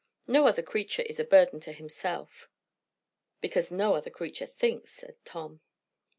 No other creature is a burden to himself." "Because no other creature thinks," said Tom.